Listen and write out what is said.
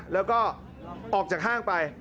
แล้วก็ออกจากห้างไป